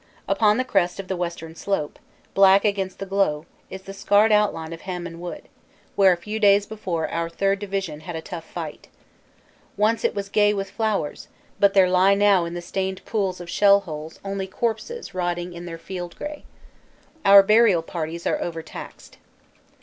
Upon the crest of the western slope, black against the glow, is the scarred outline of Hamon wood, where a few days before our Third Division had a tough fight. Once it was gay with flowers but there lie now in the stained pools of shell holes only corpses rotting in their field gray. Our burial parties are over taxed.